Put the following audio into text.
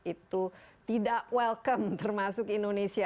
itu tidak welcome termasuk indonesia